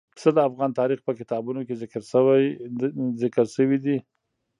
پسه د افغان تاریخ په کتابونو کې ذکر شوي دي.